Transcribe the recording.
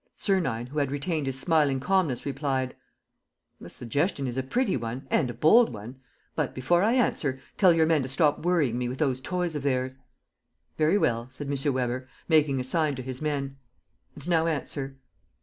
Sernine, who had retained his smiling calmness, replied: "The suggestion is a pretty one and a bold one. But, before I answer, tell your men to stop worrying me with those toys of theirs." "Very well," said M. Weber, making a sign to his men. "And now answer."